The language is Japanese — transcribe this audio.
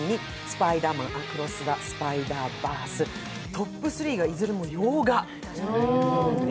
トップ３がいずれも洋画。